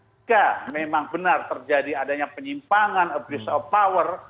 jika memang benar terjadi adanya penyimpangan abuse of power